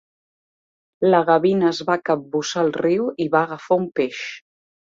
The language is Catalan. La gavina es va capbussar al riu i va agafar un peix.